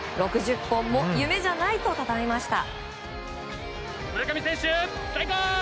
６０本も夢じゃないとたたえました。